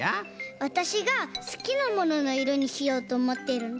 わたしがすきなもののいろにしようとおもってるんだ。